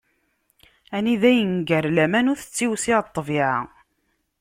Anida inger laman, ur tettiwsiɛ ṭṭbiɛa.